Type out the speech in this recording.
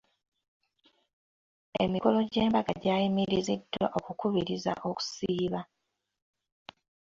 Emikolo gy'embaga gyayimiriziddwa okukubiriza okusiiba.